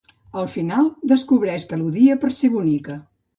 Al final, descobrix que l'odia per ser bonica.